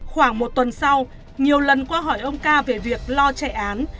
khoảng một tuần sau nhiều lần qua hỏi ông ca về việc lo chạy án